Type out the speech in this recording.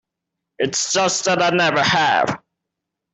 It's just that I never have.